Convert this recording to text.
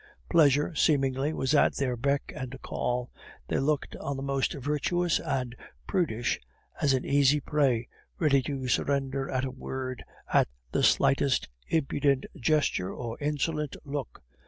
Pleasure, seemingly, was at their beck and call; they looked on the most virtuous and prudish as an easy prey, ready to surrender at a word, at the slightest impudent gesture or insolent look.